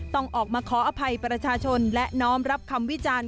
ต้องออกมาขออภัยประชาชนและน้อมรับคำวิจารณ์